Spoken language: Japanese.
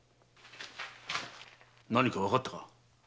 何かわかったか？